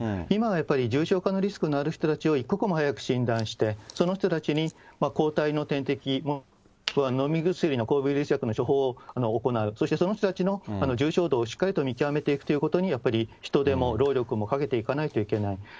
今はやっぱり、重症化のリスクのある人たちを一刻も早く診断して、その人たちに抗体の点滴も、飲み薬の抗ウイルス薬の処方を行う、そしてその人たちの重症度をしっかりと見極めていくということに、やっぱり人手も労力もかけていかないといけない。